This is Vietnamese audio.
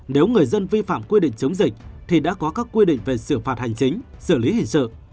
nếu người dân vi phạm quy định chống dịch thì đã có các quy định về xử phạt hành chính xử lý hình sự